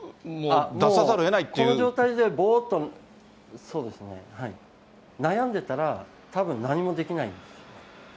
この状態で、ぼーっと、そうですね、悩んでたら、たぶん何もできないです。